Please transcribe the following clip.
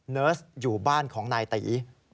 เนิร์สอยู่บ้านของนายตี